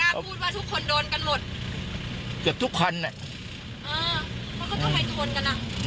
แต่กล้าพูดว่าทุกคนโดนกันหมด